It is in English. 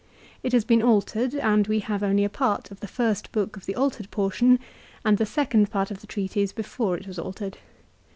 It has been altered, and we have only a part of the first book of the altered portion and the. second part of the treatise before it was altered.